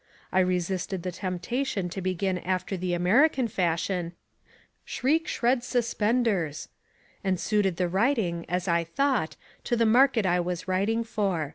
I resisted the temptation to begin after the American fashion, "Shriek sheds suspenders," and suited the writing, as I thought, to the market I was writing for.